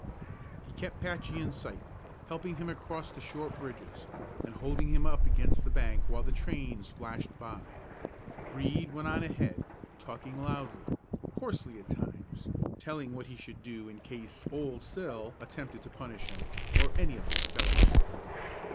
He kept Patchy in sight, helping him across the short bridges, and holding him up against the bank while the trains flashed by. Brede went on ahead, talking loudly, coarsely at times, telling what he should do in case "Old Sil" attempted to punish him, or any of his fellows.